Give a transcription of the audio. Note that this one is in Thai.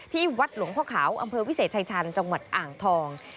ที่วัดหลวงพ่อขาวอำเภอวิเศษชายชาญจังหวัดอ่างทอง